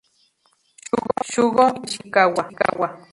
Shugo Nishikawa